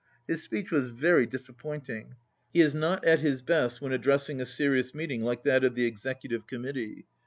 His speech was very disappointing. He is not at his best when addressing a serious meet ing like that of the Executive Committee.